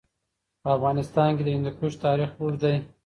په افغانستان کې د هندوکش تاریخ اوږد دی.